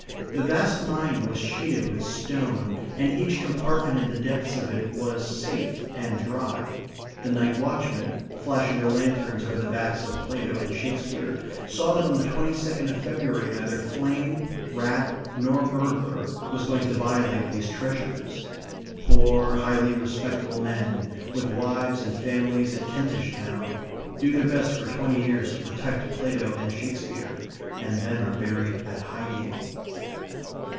The vast mind was sheeted with stone; and each compartment in the depths of it was safe and dry. The night watchmen, flashing their lanterns over the backs of Plato and Shakespeare, saw that on the twenty second of February neither flame, rat, nor burglar was going to violate these treasures poor, highly respectable men, with wives and families at Kentish Town, do their best for twenty years to protect Plato and Shakespeare, and then are buried at Highgate.